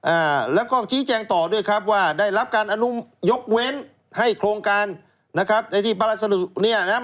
อ่าแล้วก็ชี้แจงต่อด้วยครับว่าได้รับการอนุมยกเว้นให้โครงการนะครับในที่พระราชดุเนี่ยนะครับ